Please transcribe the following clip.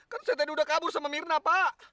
kan saya tadi udah kabur sama mirna pak